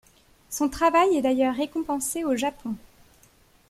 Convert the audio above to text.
Son travail est d'ailleurs récompensé au Japon.